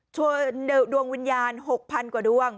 ทรวงวิญญาณ๖๐๐๐กว่าดุล่วง